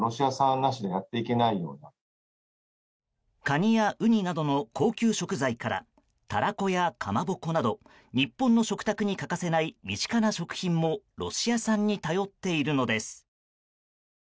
カニやウニなどの高級食材からタラコや、かまぼこなど日本の食卓に欠かせない身近な食品もロシア産に頼っているのです。